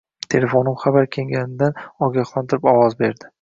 Telefonim xabar kelganidan ogohlantirib ovoz berdi